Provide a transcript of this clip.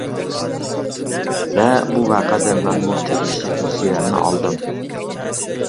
(ۋە بۇ ۋەقەدە مەنمۇ تېگىشلىك نېسىۋەمنى ئالدىم.)